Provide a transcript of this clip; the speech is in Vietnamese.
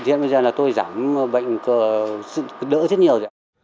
thì hiện bây giờ là tôi giảm bệnh đỡ rất nhiều